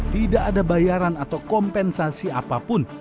tidak ada bayaran atau kompensasi apapun